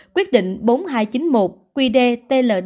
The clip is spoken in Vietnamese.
quyết định bốn nghìn hai trăm chín mươi một qd tld